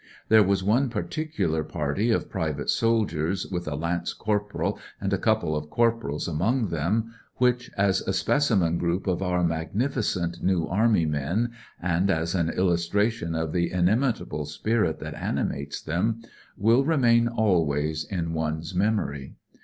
There was one particular party of private soldiers, with a lance corporal and a couple of corporals among them, which, as a specimen group of our magnificent New Army men and as an illustration of the inimitable spirit that animates them, will remain always in one's memory.